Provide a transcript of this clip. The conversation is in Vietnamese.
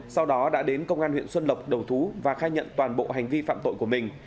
sau đó đã đến công an huyện xuân lộc đầu thú và khai nhận toàn bộ hành vi phạm tội của mình